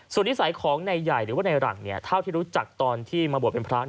ส่วนนิสัยของนายใหญ่หรือว่าในหลังเนี่ยเท่าที่รู้จักตอนที่มาบวชเป็นพระ